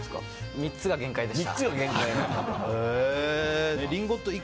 ３つが限界でした。